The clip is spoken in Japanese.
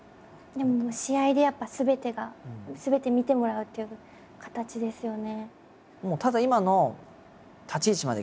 でも試合でやっぱすべてがすべて見てもらうっていう形ですよね。